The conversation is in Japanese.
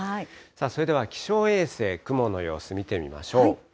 それでは気象衛星、雲の様子、見てみましょう。